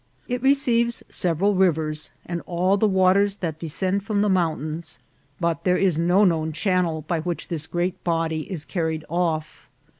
It receives several rivers, and all the waters that descend from the mountains, but there is no known channel by which this great body is carried off.